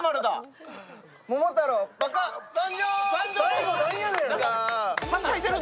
最後、なんやねん！